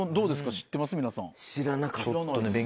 知らなかった。